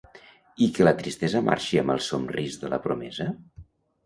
I que la tristesa marxi amb el somrís de la promesa?